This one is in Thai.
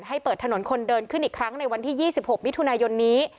ให้เปิดถนนคนเดินขึ้นอีกครั้งในวันที่๒๖มิถุนายนนี้